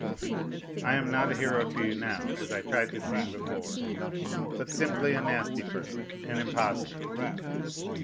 I am not a hero to you now, as I tried to seem before, but simply a nasty person, an impostor.